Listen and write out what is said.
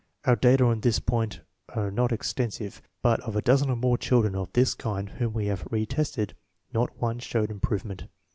Our data on this point are not extensive, but of a dozen or more children of this kind whom we have re tested, not one showed improvement.